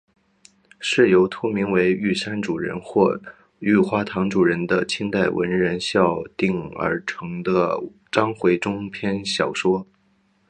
是由托名为玉山主人或玉花堂主人的清代文人校订而成的章回中篇小说。